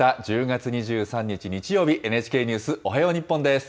１０月２３日日曜日、ＮＨＫニュースおはよう日本です。